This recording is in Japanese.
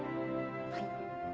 はい。